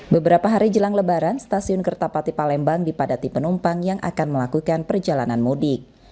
beberapa hari jelang lebaran stasiun kertapati palembang dipadati penumpang yang akan melakukan perjalanan mudik